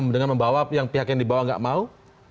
dengan membawa yang pihak yang dibawa nggak mau